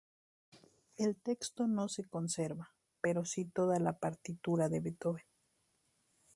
El texto no se conserva pero sí toda la partitura de Beethoven.